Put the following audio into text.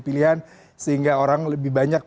pilihan sehingga orang lebih banyak